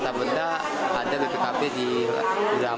atau beda ada bkp di rumah